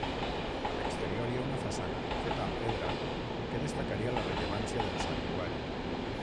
A l'exterior hi ha una façana, feta amb pedra, que destacaria la rellevància del santuari.